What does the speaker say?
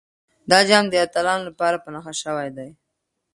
دا جام د اتلانو لپاره په نښه شوی دی.